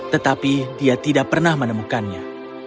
tetapi dia tidak pernah menemukannya